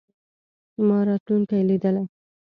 ما راتلونکې لیدلې.